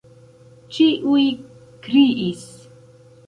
ĉiuj kriis.